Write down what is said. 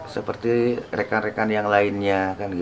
seperti rekan rekan yang lainnya